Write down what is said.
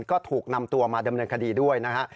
ก็ถูกนำตัวมาดำเนินคดีด้วยนะฮะ